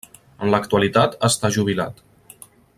En l'actualitat està jubilat.